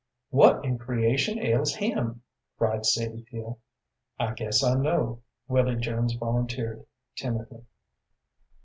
"What in creation ails him?" cried Sadie Peel. "I guess I know," Willy Jones volunteered, timidly.